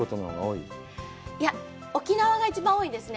いや、沖縄が一番多いですね。